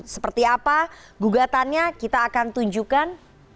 seperti apa gugatannya kita akan tunjukkan